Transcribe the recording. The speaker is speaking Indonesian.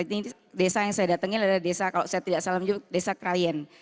ini desa yang saya datangin adalah desa kalau saya tidak salah menyebut desa krayan